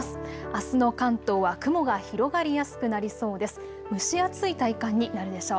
あすの関東は雲が広がりやすくなりそうです。